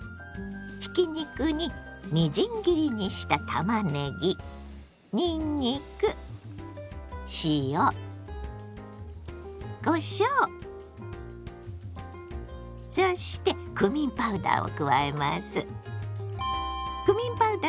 ひき肉にみじん切りにしたたまねぎにんにく塩こしょうそしてクミンパウダーを加えます。